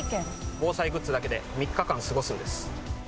防災グッズだけで３日間過ごすんです。